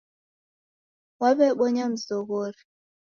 Wawebonya mzoghori.